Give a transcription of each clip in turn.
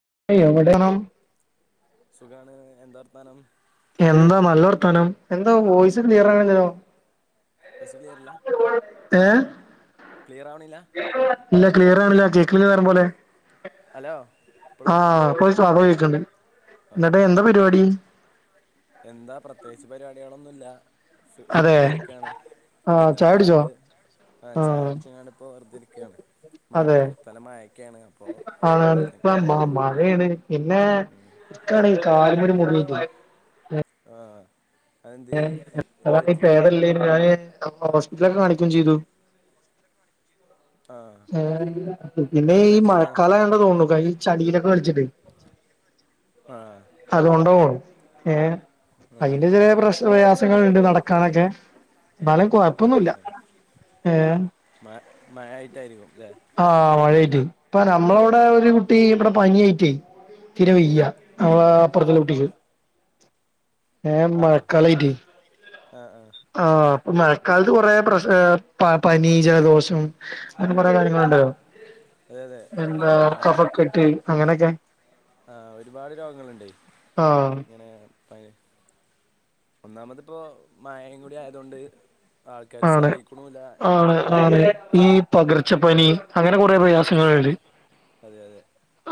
[unintelligible] സുഖാണ് എന്താ വർതാനം എന്താ നല്ലവർത്താനം എന്താ വോയിസ് ക്ലിയറാക്ണ്ല്ലല്ലോ വോയ്‌സ് ക്ലിയറില്ല ക്ലിയറാവ്ണില്ല [unintelligible] ന്നിട്ട് ഹലോ ഇപ്പളോ ആ ഓക്കെ എന്താ പരിപാടി എന്താ പ്രത്യേകിച്ച് പരിപാടികളൊന്നുല്ല അതെ വെറുതെരിക്കാണ് ആഹ് ചായുടിച്ചോ വൈന്നേരായതോണ്ട് ആഹ് ചായകുടിച്ച്ങ്ങാണ്ട്‌ ഇപ്പോ വെറുതെരിക്യാണ് അതേ ആ വെറുതെ ഇപ്പോ ഇങ്ങനെ മ മഴേണ് പിന്നേ ഇക്കാണെങ്കി കാല്മ്മൊരു മുറിണ്ട് ആഹ് അതാണീ പേദല്ലേയനും ഞാന് ഹോസ്പിറ്റലൊക്കെ കാണിക്കും ചെയ്തു ആ പിന്നേ എന്ത് ഈ പറ്റിയതാ മഴക്കാലായോണ്ട തോന്നുണു കാരണം ഈ ചളീൽ കളിച്ചിട്ട് ആ അതോണ്ടാവോ ഏ ആ അയിന്റെ ചെറിയ പ്രശ്ന പ്രയാസങ്ങളുണ്ട് നടക്കാനൊക്കെ ന്നാലും കൊഴപ്പൊന്നുല്ല ഏ മയായിട്ടായിരിക്കും ആഹ് മഴായിറ്റ് ഇപ്പ നമ്മളവിടെ ഒരു കുട്ടി ഇവിടെ പനിയിറ്റയ് തീരെ വെയ്യ അവ അപ്പുറത്ത്ള്ള കുട്ടിക്ക് ഏ ആ മഴക്കാലായിറ്റ് ആ ആ ആഹ് മഴക്കാലത്ത് കുറെേ പ്രശ ഏ പനീ ജലദോഷം അങ്ങനെ കൊറേ കാര്യങ്ങളുണ്ടാവും അതെ അതെ എന്താ ഇപ്പോൾ മഴ കഫക്കെട്ട് അങ്ങനെക്കെ ആ ഒരുപാട് രോഗങ്ങളുണ്ടയ് ആഹ് ഇങ്ങനേ പയ് ഒന്നാമതിപ്പോ മയയും കൂടി ആയതോണ്ട് ആണ് ആണ് ആണ് ഈ പകർച്ചപ്പനി അങ്ങനെ കുറേ പകർച്ച പ്രയാസങ്ങള്ണ്ട് അതെ അതെ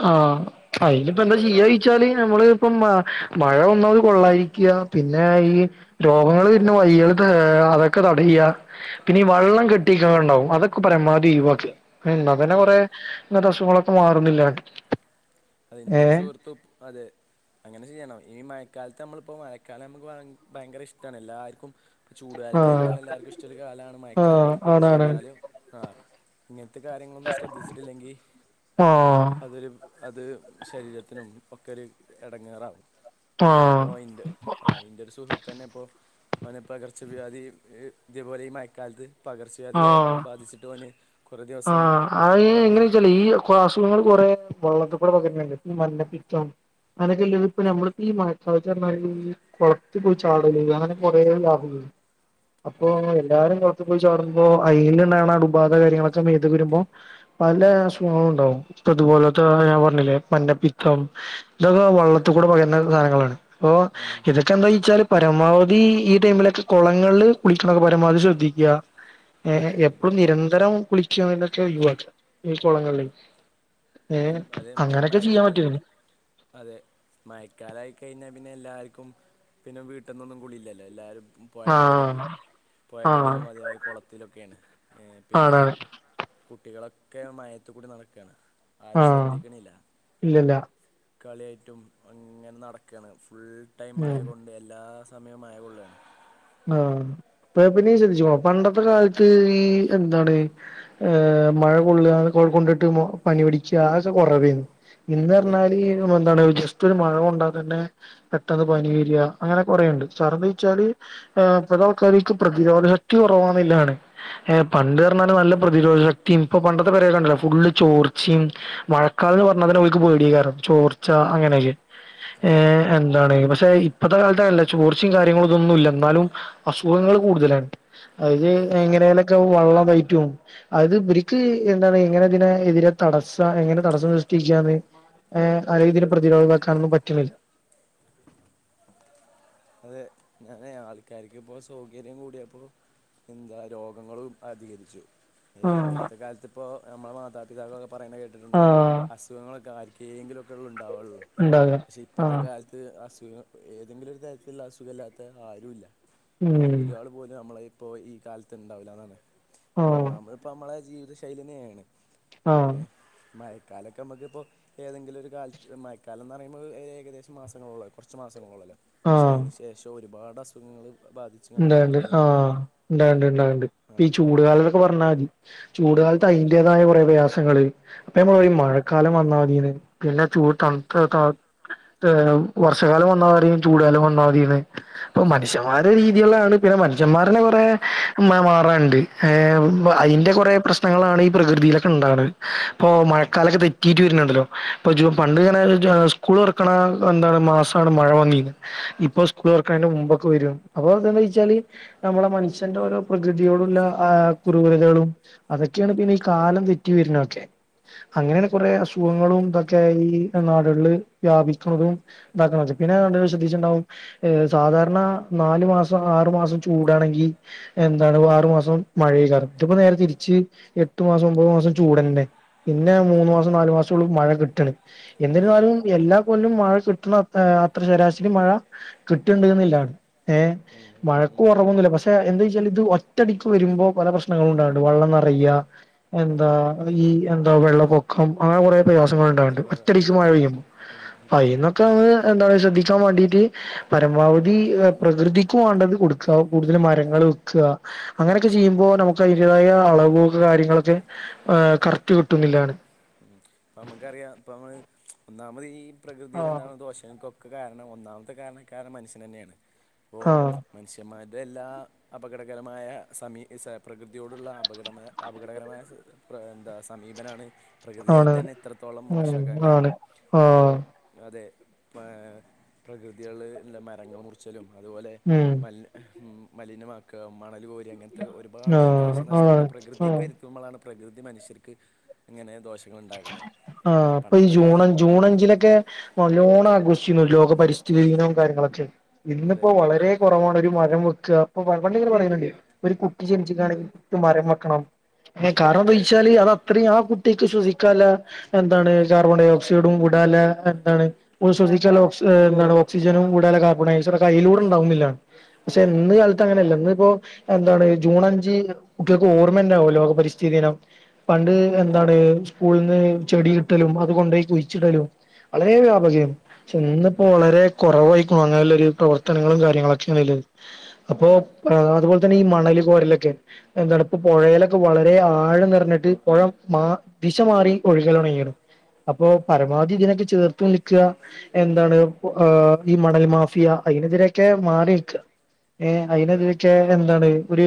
ആഹ് അയിനിപ്പോ അപ്പം എന്താ ചിയ്യായ്ച്ചാല് നമ്മള് ഇപ്പം മഴ മഴ ഒന്നാമത് കൊള്ളാരിക്ക പിന്നെ ഈ രോഗങ്ങൾ വര്ണ വായികളൊക്കെ അതൊക്കെ തടയ പിന്നെ ഈ വള്ളം കെട്ടിക്ക്ണത്ണ്ടാവും അതൊക്കെ പരമാവധി ഒയിവാക്ക എന്നാ പിന്ന കൊറേ നസുഖങ്ങളൊക്കെ മാറുന്നില്ലക്കാ അതിന്റെ ഒരു സുഹൃത്തും അതെ അങ്ങനെ ചെയ്യണം ഈ മഴ ക്കാലത്ത് നമ്മളിപ്പോ മഴക്കാലം നമുക്ക് ഭയ ഭയങ്കര ഇഷ്ടാണ് എല്ലാർക്കും ആഹ് ചൂടുകാലത്തേക്കാള് എല്ലാർക്കും ഇഷ്ടള്ള ഒരു കാലാണ് മയക്കാലം ആഹ് പക്ഷെ ആണാണ് ന്നാലും ആ ഇങ്ങനെ ത്തെ കാര്യങ്ങളൊന്നും ശ്രദ്ധിച്ചിട്ടില്ലെങ്കിൽ ആഹ് അതൊരു അത് ശരീരത്തിനും ഒക്കെരു എടങ്ങേറാവും ആഹ് പ്പൊഇന്റെ ആ ഇന്റൊരു സുഹൃത്തന്നെ ഇപ്പൊ- അവന് പകർച്ചവ്യാധി ഇതേപോലെ ഈ മയക്കാലത്ത് പകർച്ചവ്യാധി എ ബാധിച്ചിട്ട് ഓൻ ആ അ എങ്ങനെച്ചാലെയ് ഈ അസുഖങ്ങൾ കൊറേ വള്ളത്ത്ക്കൂ ടെ പകരണണ്ട്‌ ഈ മഞ്ഞപിത്തം അങ്ങനൊക്കെല്ല ഇപ്പ നമ്മളീ മയക്കാലത്തു പറഞ്ഞാൽ കൊളത്തി പോയി ചാടല് അങ്ങനെ കുറെേ അപ്പോ ആ എല്ലാരും കൊളത്തി പോയി ചാട്മ്പോ അയിൽണ്ടാവ്ണ അണുബാധ കാര്യങ്ങളൊക്കെ മേത്ത്ക്ക് വരുമ്പോ പല അസുഖങ്ങളുണ്ടാവും ഇപ്പ ഇതുപോലോത്ത ഞാൻ പറഞ്ഞില്ലേ മഞ്ഞപ്പിത്തം ഇതൊക്കെ വള്ളത്ത് കൂടെ പകരുന്നരു സാനങ്ങളാണ് അപ്പൊ ഉം ഇതൊക്കെ എന്തായിച്ചാൽ പരമാവധി- ഈ ടൈമിലൊക്കെ കുളങ്ങള്ൾ കുളിക്ക്ണത് പരമാവധി ശ്രദ്ധിക്ക ഏ ആ അതെ എപ്പോഴും നിരന്തരം കുളി - ക്യോവലൊക്കെ ഒയിവാക്ക ഈ കുളങ്ങളിലേയ് ഈ അത് ഈ മയക്കാല അതെ മയക്കാലായി കഴിഞ്ഞാൽ പിന്നെ എല്ലാർക്കും പിന്നെ വീട്ട്ന്നൊന്നും കുളിയില്ലല്ലോ എല്ലാരും പുയകളിലും ആഹ് ആഹ് പുയകളിലും അതായിരി കുളത്തിലൊക്കേണ് ഏ പിന്നേ ആണാണ് - കുട്ടികളൊക്കെ മയത്തുകൂടി നടക്കാണ് ആ ഇല്ലല്ല കളിയായിട്ടും അങ്ങനെ നടക്കാണ് ഫുൾ ടൈം ഉം മയകൊണ്ട് എല്ലാ- സമയം കൊള്ളാണ് ആ. പെ, പിന്നെയ്യ് ശ്രദ്ധിച്ചോ, പണ്ടത്തെ കാലത്ത്, ഈ, എന്താണ്, ഏ, മഴ, കൊള്ള കൊണ്ടിട്ട്, മൊ, പനി, പിടിക്ക, അ ഒക്കെ, കുറവേന്ന്, ഇന്ന് അതെ റഞ്ഞാല്, എന്തണ് റ്റൊരു, മഴ, കൊണ്ടാതെന്നെ, പെട്ടന്ന്, പനി വര, അങ്ങനെ, കൊറെണ്ട്, സർദിച്ചാല് ഏ, ഇപ്പത്ത, ആൾക്കാർക്ക്, പ്രതിരോധ ശക്തി, കൊറവാണ്ന്നില്ലതാണ്, എ, പണ്ട് റഞ്ഞാല് നല്ല പ്രതിരോധ ശക്തി ശക്തിയും, ഇപ്പൊ പണ്ടത്തെ, പരൊക്കെണ്ടില്ലെ, ഫുള് ചോർച്ചെമ്, മഴക്കാലന്ന് പറഞ്ഞ തന്നെ, ഓൽക്ക് പേടിയെക്കാരം, ചോർ ച്ച, അങ്ങനെയൊക്കെ, അതെ ഏഹ, എന്താണ്, പക്ഷെ, ഇപ്പത്തെ, കാലത്തങ്ങനല്ല, ചോർച്ചേൻ കാര്യങ്ങളൊന്നുല്ല ന്നാലും, അസുഖങ്ങള്, കൂടുതലാണ്, അത്, അതെ ആ എങ്ങനെലൊക്കെ, വെള്ളം, തായ്റ്റും--ആത് ത് വര്ക്ക്, എന്താണ്, എങ്ങനെതിനെ, എതിരെ തടസ്സ, എങ്ങനെ തടസ്സം, സൃഷ്ടിക്കാന്ന് ഏർ, അരെതിൽ പ്രതിരോധക്കാനൊന്നും, പറ്റുന്നില്ല അതെ, ഞാനെ, ആൾക്കാർക്ക്, ഇപ്പോ, സൗകര്യം, കൂടിയപ്പോ എന്താ, രോഗങ്ങളും, അധികരിച്ചു ഏ ആഹ് പണ്ടത്തെ, കാലത്ത്, ഇപ്പോ, നമ്മളെ മാതാപിതാക്കളൊക്കെ, പറയുന്നത്, കേട്ടിട്ടുണ്ടാവും, ആഹ് അസുഖങ്ങളൊക്കെ, ആ ഉണ്ടാവുള്ളൂ, ഉണ്ടാക പക്ഷേ ഇപ്പോഴത്തെ, ആഹ് കാലത്ത്, അസുഖ, ഏതെങ്കിലും, ഒരു തര ഇള്ള, അസുഖല്ലാത്ത, ആരു ഇല്ല, ഉം ഒരാൾ, പോലും, നമ്മള ഇപ്പോ, ഈ കാലത്ത്, ണ്ടാവില്ലന്നാണ് ആഹ് ഒന്നാമത് ഇപ്പ, നമ്മളെ ജീവിത, ശൈലിയെന്നേണ്, ആഹ് ഏ മക്കാലൊക്കെ, നമ്മക്കിപ്പോ, ഏതെങ്കിലൊരു, കാലത്ത്, മയക്കാലം, ന്നറയുമ്പോ, ഏകദേശം, മാസങ്ങളോ, കുറച്ച് മാസങ്ങള ള്ളല്ലോ പക്ഷേ, അയ്ന്, ശേഷോം, ഒരുപാട്, അസുഖങ്ങള് ണ്ടാണ്ട്, ആ, ണ്ടാണ്ട്, ണ്ടാണ്ട്, പ്പ് ഈ ആഹ് ചൂട് കാലംന്നൊക്കെ, പറഞ്ഞാതി ചൂടുകാലത്ത്, അയ്ന്റേതായ, കുറെ, പ്രയാസങ്ങള്, അപ്പൊ, നമ്മള്, ഉം പറയും, മഴക്കാലം, വന്നാമതിന് പിന്നെ, ചൂട്, തണ്ത്ത, ത ത്തേ, എ, വർഷകാലം വന്നാരിം, ചൂടാലം വന്ന അപ്പൊ, അതെ മനുഷ്യന്മാ പിന്നെ, മനുഷന്മാരന്നെ, കൊറെ മാറാണ്ട് പ്പൊ, അതെ അയ്‌ന്റെ കൊറേ, പ്രശ്നങ്ങളാണ്, ഈ, പ്രകൃതിലൊക്കെ ണ്ടാവ്ണ്, പ്പൊ, മഴക്കാലൊക്കെ, തെറ്റിട്ട് വര്ണ്ണ്ടല്ലോ പ്പൊ ജ്ജു, പണ്ട്ങ്ങനെ, എ, സ്കൂളോറക്കണേ, എ, എന്താണ്, മസാണ്, മഴ വന്നീനെ തീർക്കയ്ന്റെ, മുമ്പക്കെ, വര അപ്പൊ, തന്താവ്ചാല്, നമ്മളെ, മൻഷന്റെ, ഓരോ, പ്രകൃതിയോട്ല്ല, അ, ക്രൂരതകളും ക്കാണ്, പിന്നെ, ഈ, കാലം തെറ്റി, വരുന്നൊക്കെ അങ്ങനെയാണ്, കുറെ അസുഖങ്ങളും, ഇതൊക്കെ, ഈ, നാടുകളില്, വ്യാപിക്കുണതും, ഇതാക്കണ പിന്നെ, ആണ്ട്ങ്ങള്, ശ്രദ്ധിച്ച്ണ്ടാവും, എ, സാധാരണ നാലു മാസം, ആറു മാസം, ചൂടാണെങ്കി, എന്താണ്, വാറു മാസം, മഴഏയ്ക്കാരം, ഇതിപ്പോ, നേരെ തിരിച്ച് ഈ, എട്ടു മാസം, ഒമ്പത് മാസം, ചൂടേന്നെ പിന്നെ, ഉം മൂന്ന് മാസം, നാലു മാസം, ഒള്ളു, മഴ കിട്ടണ്, അതെ അതെ എന്നിരുന്നാലും, എല്ലാ കൊല്ലും, മഴ കിട്ടണ ആ, അത്ര ശരാശരി, മഴ, കിട്ടിയുണ്ടുന്നില്ലാ ഏഹ്, ഉം ഉം മഴക്ക് ഉം കുറവൊന്നുല്ല, പശെ, എന്താച്ചാല്, ഇത്, ഒറ്റടിക്ക്, വരുമ്പോ, പല പ്രശ്നങ്ങളും ണ്ടാവ്ണ്ട്, വള്ളം പറയ്യ, എന്താ, ഈ, എന്താ, വെള്ളപ്പൊക്കം, ആ, കൊറയെ മായാസങ്ങള് ണ്ടാവ്ണ്ട്, ഒരുപാട് അതെ ഒറ്റടിക്ക് മഴ പെയ്യും, ഉം ഉം ഇന്നൊക്കെ എന്താണ്, ശ്രദ്ധിക്കാവേണ്ടീട്ട്, പരമാവധി പ്രകൃതിക്ക്, വാണ്ടത് കൊടുക്ക, കൂടുതൽ മരങ്ങള്, വെക്ക, അങ്ങനെയൊക്കെ, ചെയ്യുമ്പോ, നമുക്ക്, അയ്ൻ്റേതായ ആ, പോകാര്യങ്ങളൊക്കെ, ഏ, കറക്റ്റ്, കിട്ടുംന്നില്ലാണ് ഉം, നമുക്കറിയാം, ഇപ്പൊ, മ്മ, ഒന്നാമത്, ഈ, പ്രകൃതിൽ, ആഹ് ണ്ടാവുന്ന, ദോഷങ്ങൾക്കൊ ക്കകാരണം, ഒന്നാമത്തെ, കാരണക്കാരൻ, മനുഷ്യനെന്നേണ്, പ്പൊ, ആഹ് മനുഷ്യന്മാ തെല്ലാ, അപകടകരമായ, സമീ, സെ, പ്രകൃതിയോടുള്ള, അപകട, മെ, അപകടകരമായ, ബേ, എന്താ, സമീപനാണ് പ്രകൃതിയെ ആണ് തന്നെ, ഇത്രത്തോളം, ഉം മോശമാക്കാൻ, ആണ് കാരണം, ഇപ്പോ, ആഹ് അതെ മെ, പ്രകൃതികള്, മരങ്ങള്, മുറിച്ചലും, അതുപോലെ, ഉം മ മലിനമാക്ക, മണല് കോര, ങ്ങനത്തെ, ഒരുപാട്, ആഹ് നാശനഷ്ടങ്ങൾ, ആഹ് പ്രകൃതിക്ക്, ആഹ് വരുത്തുമ്പളാണ് പ്രകൃതി, മനുഷ്യർക്ക്, ഇങ്ങനെ, ദോഷ ആഹ്, അപ്പൊ, ഈ, ജൂൺ, ജൂൺ, അഞ്ചിലൊക്കെ, നല്ലോണ രുന്നു, ലോക പരിസ്ഥിതി, ദിനം, കാര്യങ്ങളൊക്കെ, അതെ ഇന്നിപ്പോ, വളരെ കൊറവാണ്, ഒരു മരം വ്ക്ക അപ്പൊ പണ്ട് ഇങ്ങനെ പറയ് ണ് ണ്ട് ഒരു കുട്ടി ജനിച്ചിക്കാണെങ്കിൽ കുട്ടി മരം വെക്കണം എ കാരണം എന്തോെയ്ച്ചാല് അതത്രേം ആ കുട്ടിക്ക് ശ്വസി ക്കാല എന്താണ് കാർബൺ ഡൈ ഓക്സൈഡും കുടാലെ എന്താണശ്വാസിക്കാൻള്ള ഓക് ഓക്സിജനും കൂടാലെ കാർബൺ ഡൈഓക്സൈഡ ഒക്ക അയ്ലൂടെ ഇണ്ടാവുന്നില്ലാണ് പക്ഷെ അതെ ഇന്ന് കാലത്ത് അങ്ങനെയല്ല ഇന്ന് ഇപ്പോ എന്താണ് ജൂൺ അഞ്ച് കുട്ട്യേൾക്ക് ഓർമന്റാവുല്ലോകപരിസ്ഥിതിനം പണ്ട് എന്താണ് സ്കൂള്ന്ന് ചെടി കിട്ടലും അത് കൊണ്ടോയി കുഴിച്ചിടലും വളരെ വ്യാപക യിരുന്നു ഉം. ഇന്ന്പ്പോ വളരെ കൊറവായി വാങ്ങാല്ലെരു പ്രവർത്തനങ്ങളും കാര്യങ്ങളൊക്കേണ്ല്ലെ അപ്പോ അതുപോലെ തന്നെഈ മണൽ കോരലൊക്കെ എന്താണ്പ്പ പൊഴേലൊക്കെ വളരെ ആഴം നിറഞ്ഞിട്ട് പൊഴംമാ ദിശ മാറി ഒഴികലൊ ഒണങ്ങിക്ക് ണ് അപ്പൊ പരമാവധി ഇതിനൊക്കെ ചേർത്ത് നിൽക്കുഎന്താണ് ഈ മണൽ മാഫിയ അയ്നെതിരൊക്കെ മാറി ക്ക ഏ അത് അയ്നെതിരൊക്കെ എന്താണ് ഒരു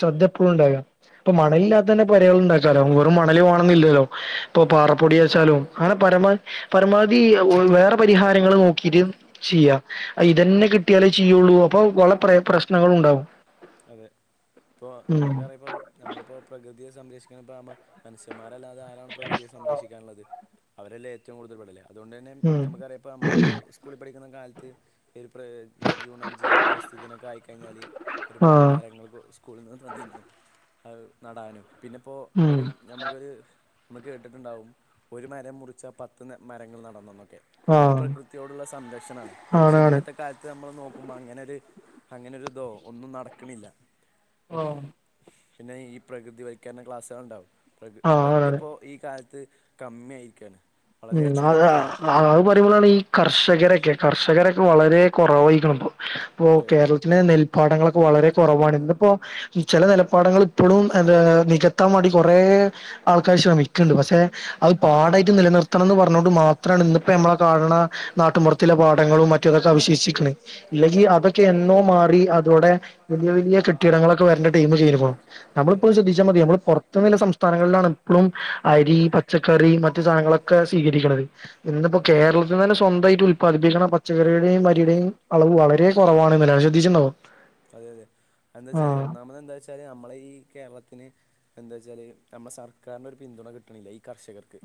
ശ്രദ്ധ എപ്പോഴുംണ്ടാക അപ്പൊ മണലില്ലാത്ത തന്നെ പെരകൾണ്ടാക്കാലോ വെറും മണൽ ന്നില്ലല്ലോ ഇപ്പ അതെ പാറപ്പൊടി ഏച്ചാലും അങ്ങനെ പരമാപമാവധി വേറെ പരിഹാരങ്ങളും നോക്കീട്ട് ചെയ്യ ഐ ഇതന്നെ കിട്ടിയാലേ ചെയൊള്ളൂ അപ്പൊ വള പ്ര പ്രശ്നങ്ങ ഉണ്ടാവും അതെ ഇപ്പൊ ഉം നമ്മക്കറിയാം ഇപ്പോ നമ്മളിപ്പോ പ്രകൃതിയെ സംരക്ഷിക്ക്ണപ്പോ ഇപ്പ' ''മ 'മനുഷ്യന്മാ അല്ലാതെ ആരാണ് പ്രകൃതിയെ സംരക്ഷിക്കാന്ള്ളത് അവരെല്ലേ ഏറ്റവും കൂടുതൽ വെടല അതുകൊണ്ടന്നെ ഉം നമുക്കറിയാം ഇപ്പ നമ്മളൊക്കെ സ്കൂളിൽ പഠിക്കുന്ന കാലത്ത് ഈ പ്രകു ജൂൺ അഞ്ച് പരിസ്ഥിതിനൊക്കെ ആയിക്കഴിഞ്ഞാൽ ഒരുപാട് ആഹ് മരങ്ങൾ സ്കൂളിന്ന് തന്നിന്നു അഹ് നടാനും പിന്നെ ഇപ്പോ ഉം ഒരു ഞമക്കൊരു മ്മ കേട്ടിട്ട്ണ്ടാവും ഒരു മരം മുറിച്ചാ പത്ത് ന്ന മരങ്ങൾ നടണംന്ന് ക്കെ അഎക്കെ ആഹ് പ്രകൃതിയോടുള്ള സംരക്ഷണാണ് ആണ് ആണ് ക്ഷിന്നത്തെ കാലത്ത് നമ്മൾ നോക ക്ക് മ്മങ്ങനെരു അങ്ങനൊരു ഇതോ ഒന്നും നടക്ക്ണില്ല ഓഹ് പിന്നെ ഈ പ്രകൃതി വയ്ക്കരണ ക്ലാസേ ള്ണ്ടാവും പ്രകൃ ആഹ് അതൊക്കെ ആണാണ് ഇപ്പോ ഈ കാലത്ത് കമ്മി ആയിക്കാണ് ഉം അഹ് ഹ അഹ് പറി അത് പറയുമ്പോളാണ് മ് ഈ കർഷകരെക്കെ കർഷകര വളരെ കൊറവായിരിക്ക്ണ് പ്പൊ അതെ അതെ കേരളത്തിെലെ നെൽപ്പാടങ്ങളൊക്കെ വളരെ കൊറവാണ് ഇിന്ന്പ്പോ ചെല നെലപാടങ്ങൾ ഇപ്പളും എ നികത്താൻ വാണ്ടി കൊറേ ആൾക്കാ ശ്രമിക്ക്ണ്ട് പക്ഷെ അത് പാടായിട്ട് നിലനിർത്ത ഇത്തണന്ന് പറ്ന്നോണ്ട് മാത്രാണ് ഇന്നിപ്പ അമ്മളെ കാരന്ന നാട്ടുംപൊറ്ത്തിലെ പാഠങ്ങളും മറ്റും അവശേഷിക്ക് ണെ ഇല്ലെങ്കിൽ അതൊക്കെ എന്നോ മാറി അതോടെ വല്ല്യ വല്യ കെട്ടിടങ്ങളൊക്കെ വരണ്ട ടീം [unintelligible] അതെ നമ്മളിപ്പോ ശ്രദ്ധിച്ചാ മതി നമ്മള് പൊറ് [unintelligible] നില സംസ്ഥാനങ്ങളിലാണ് ഇപ്പളും അരി പച്ചക്കറി മറ്റു സാനങ്ങളൊക ക്കെ സ്വീകരിക്കണത് ഇന്ന്പ്പം കേരളത്തി തന്നെ സ്വന്തായിട്ട് ഉല്പാദിപ്പിക്ക്ണെ ഹ് പച്ചക്കറിയുടെയും വ [unintelligible] വളരെ കൊറവാണിന്നലെ ശ്രദ്ധിച്ച്ണ്ടോ? അതെ അതെ അഎന്താച്ചാല് ഒന്നാമത് എന്താ ച്ചാല് അമ്മളെ ഈ കേരളത്തിന് എന്താ [unintelligible] നമ്മ സർക്കാരിനൊരു പിന്തുണ കിട്ട്ണില്ല ഈ കർഷകർക്ക്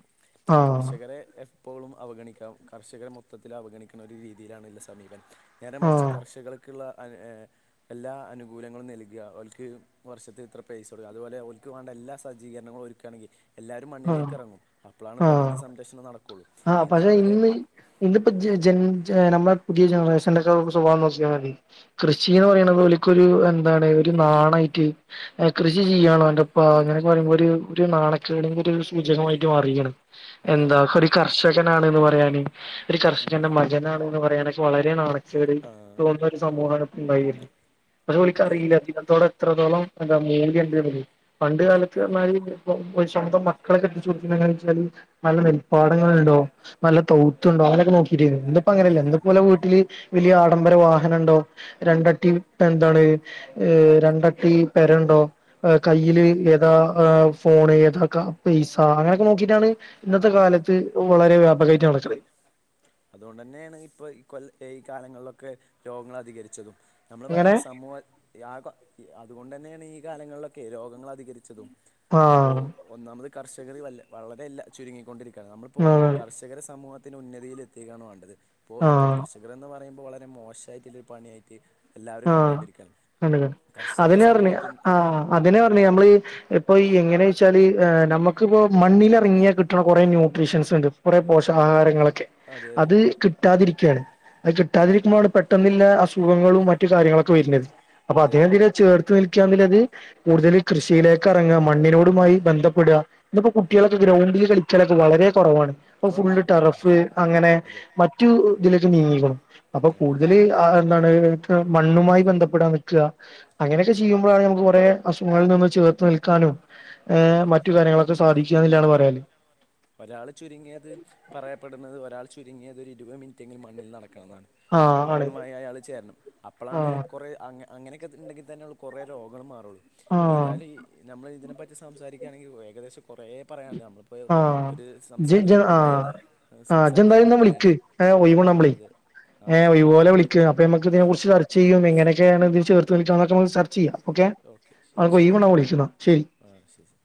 ആഹ് കർഷകരെ ഇപ്പോളും അവഗണിക്കാം കർഷകരെ മൊത്തത്തിൽ അവഗണിക്ക്ന്ന ഒരു രീതിയിലാണല്ല സമീപം ന്നേരെ മറ്ച്ച് ആഹ് കർഷകള്ക്ക്ള്ള [unintelligible] എല്ലാ അനുകൂലങ്ങളും നൽകഓല്ക്ക് വർഷത്തി ഇത്ര പൈസ കൊടുക് അതുപോലെ ഓല്ക്ക് വേണ്ട എല്ലാ സജീരണങ്ങളും ഒര്ക്കാണെങ്കി എല്ലാരും ആഹ് മണ്ണിലേക്ക് എറങ്ങും അപ്പളാണ് ആഹ് പ്രകൃതി സംരക്ഷണം നടക്കൊള്ളൂ ഇത് അവരെ ഇതിപ്പ ജ ജൻ നമ്മുടെ പുതിയ ജനറേഷന്റെക്കെ സ്വഭാവം നോക്കിയ മതി കൃഷിന്ന് പറ്യണ്ത് ഒലിക്കൊരു എന്താണ് നാണയിറ്റ് കൃഷി ചെയ്യാണോന്റെപ്പ അങ്ങനെയൊക്കെ പറയുമ്പോ ഒര് ഒര് നാണക്കേട് സൂചകമായിട്ട് മാറീക്ക്ണ്. അതെ എന്താ അതെ ക്കൊരു അങ്ങനെ കർഷകനാണ്ന്ന് പറയാന് ഒരു ഉം. കർഷകന്റെ മകനാ ണ്ന്ന് പറയാന്... വളരെ നാണക്കേട് ആ തോന്നുന്ന ഒരു സമൂഹാണ് ഇപ്പ ഇണ്ടായര്ന്നെ പക്ഷെ ഓലിക്കറീല്ല അത് [unintelligible] ഇത്രത്തോളം എന്താ മൂല്യണ്ട്ന്ന് ല്ലെഹ് പണ്ട് കാലത്ത് അറ്ഞ്ഞാല് [unintelligible] ശബതം മക്കളെ കെട്ടിച് കൊടുക്കുമ്ന്ന് [unintelligible] വെച്ചാല് നല്ല നെൽപ്പാടങ്ങള്ണ്ടോ നല്ല തൗതുണ്ടോ അങ്ങനൊക്കെ നോ ന്ന്പ്പോ അതെ അങ്ങനെല്ല അതെ ന്ന്പ്പോലെ വീട്ടില് വലിയ ആഡംബര വാഹനണ്ടോ? രണ്ടട്ടി എന്താണ് രണ്ടട്ടി പെരയുണ്ടോ? കയ്യില് അതെ ഏതാ ഫോണ് ഏതാ കാ പൈസ അങ്ങനെയൊക്കെ നോക്കിട്ടാണ് ഇന്നത്തെ കാലത്ത് വളരെ വ്യാപകായിട്ട നടക്കല് അതുകൊണ്ടന്നെയാണ് ഇപ്പൊ ഈ കൊല്ല ഈ കാലങ്ങള്ലൊക്കെ രോഗങ്ങൾ അധികരിച്ചതും നമ്മള് എങ്ങനെ പറയുമ്പോ സമൂഹ [unintelligible] അതുകൊണ്ടെന്ന്യണ് ഈ കാലങ്ങളിലൊക്കെ രോഗങ്ങൾ അധികരിച്ചതും ആഹ കർഷകര് വല്ല വളരെയല്ല ചുരുങ്ങിക്കൊണ്ടിരിക്കയാണ് നമ്മളിപ്പോ ആഹ് കർഷകര സമൂഹത്തിന് ഉന്നതിയിൽ എ ത്തിക്കാണ് വേണ്ടത് ഇപ്പോ ഇപ്പൊ ആഹ് കർഷകരെന്ന് പറയുമ്പോൾ വളരെ മോശായിട്ടിള്ള ഒരു പണിയായിട്ട് എല്ലാവരും ആ കണ്ടുകൊണ്ടിരിക്കുകയാണ് കണ്ട ക കർഷകരെ അതിനെ പറഞ്ഞെ സമൂഹത്തിന് ആ അതിനെ പറഞ്ഞ് ഞമ്മള് ഈ ഇപ്പൊ ഈ എങ്ങനെവെച്ചാല് നമുക്കിപ്പോ മണ്ണിലിറങ്ങിയാൽ കിട്ടണ കൊറേ ന്യൂട്രീഷൻസ്ണ്ട് കുറെ പോഷകാഹാരങ്ങളൊക്കെ അതെ അതെ അത് കിട്ടാതിരിക്കാൻ അത് ഉം, കിട്ടാതിരിക്കുമ്പോൾ അവി പെട്ടെന്നില്ല അസുഖങ്ങളും മ റ്റ് കാര്യങ്ങളൊക്കെ വര്ണത് അപ്പൊ അതെ അതെ അതേതില് ചേർത്ത് നിൽക്കാങ്കിലത് കൂടുതല് കൃഷിയിലേക്കെറങ്ങ മണ്ണിനോടുമായി ബന്ധപ്പെട ഇന്നപ്പോ കുട്ട്യേളൊക്കെ ഗ്രൗണ്ടില് കളിച്ചണത് വളരെ കുറവാണ് ഇപ്പോ ഫുൾ കുറവാണ് കുറവാണ് ടറഫ് ശരി അങ്ങനെ അതെ മറ്റു ഇതിലേക്ക് നീങ്ങിക്കണു. അപ്പൊ ഉം, കൂടുതല് ആ എന്താണ് മണ്ണുമായി ബന്ധപ്പെടാൻ നിൽക്ക അങ്ങനെയൊക്കെ ചെയ്യുമ്പോഴാണ് നമുക്ക് കൊറേ അസുഖങ്ങളിൽ നിന്ന് ചേർത്തു നിൽക്കാനും ഏ അതെ അതെ മറ്റു കാര്യങ്ങളൊക്കെ സാധിക്കാന്നില്ലാണ് പറയാല് ഒരാൾ ചുരുങ്ങിയത് പറയപ്പെടുന്നത് ഒരാൾ ചുരുങ്ങിയത് ഒരു ഇരുപ മിനിറ്റെങ്കിലും മണ്ണിൽ നട ക്കണംന്നാണ് ആഹ് ആണ് മണ്ണു മയായി അയാള് ചേരണം അപ്പോളാണ് ആഹ് കുറേ അങ്ങ അങ്ങനെക്കെ ഉണ്ടെങ്കി തന്നൊള്ളു കുറേ രോഗങ്ങൾ മാറൊള്ളൂ ആഹ് ഏതായ്ലു ഈ ഞമ്മള് ഇതിനെപ്പറ്റി സംസാരിക്കയാണെങ്കിൽ ഏകദേശം കൊറേ പറയാണ്ട് നമ്മളിപ്പോ ആഹ് ജ് ജ് സംസാരത്തിലൊന്ന് ആഹ് കഴിണ് ആഹ് ജെന്തായാലും സംസാരത്തിലൊന്ന് കഴണ് ആഹ അതെ ആ ഏ ഓക്കെ ഒഴിവ്പോലെ വിളിക്ക് അപ്പൊ നമ്മക്ക് ആ ഇതിനെ കുറിച്ച്ർച്ചെയ്യും എങ്ങനൊക്കെയാണ് ഇത് ചേർത്ത് [unintelligible] ചർച്ച ചെയ്യ ഓക്കെ ശരി ശരി അനകൊയ്വിവ്ണ്ടാമ്പൊ വിളിചോന്ന ശരി ആ ശരി